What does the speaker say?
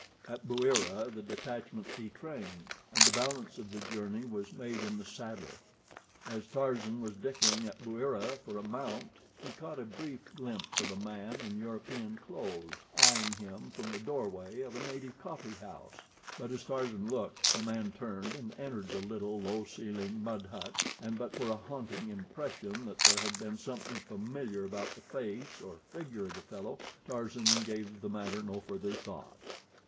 At Bouira the detachment detrained, and the balance of the journey was made in the saddle. As Tarzan was dickering at Bouira for a mount he caught a brief glimpse of a man in European clothes eying him from the doorway of a native coffeehouse, but as Tarzan looked the man turned and entered the little, low ceilinged mud hut, and but for a haunting impression that there had been something familiar about the face or figure of the fellow, Tarzan gave the matter no further thought.